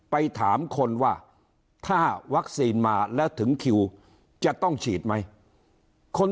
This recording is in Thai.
ไปถามคนว่าถ้าวัคซีนมาแล้วถึงคิวจะต้องฉีดไหมคน